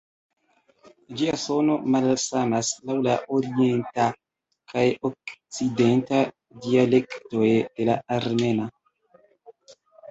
Ĝia sono malsamas laŭ la orienta kaj okcidenta dialektoj de la armena.